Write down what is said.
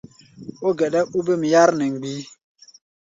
Ó geɗɛ́k óbêm yár nɛ mgbií.